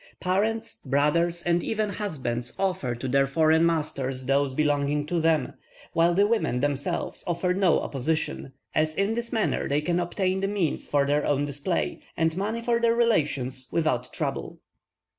Parents, brothers, and even husbands, offer to their foreign masters those belonging to them, while the women themselves offer no opposition, as in this manner they can obtain the means for their own display, and money for their relations without trouble.